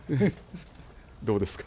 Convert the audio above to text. どうですか？